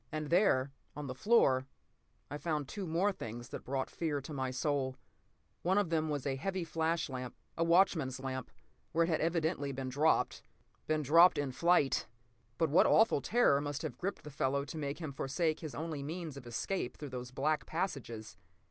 And there, on the floor, I found two more things that brought fear to my soul. One of them was a heavy flash lamp—a watchman's lamp—where it had evidently been dropped. Been dropped in flight! But what awful terror must have gripped the fellow to make him forsake his only means of escape through those black passages?